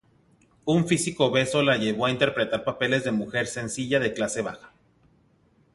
Un físico obeso la llevó a interpretar papeles de mujer sencilla de clase baja.